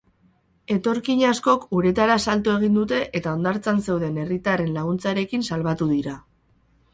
Etorkin askok uretara salto egin dute eta hondartzan zeuden herritarren laguntzarekin salbatu dira.